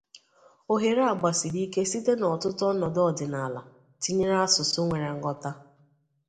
Ohere a gbasiri ike site na otutu onodu odinala, tinyere asusu nwere nghota.